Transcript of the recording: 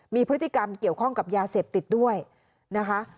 มีพฤติกรรมเกี่ยวข้องกับยาเสพติดด้วยนะคะ